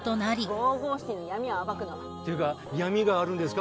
ＧＯＧＯＣＩＴＹの闇を暴くの！っていうか闇があるんですか？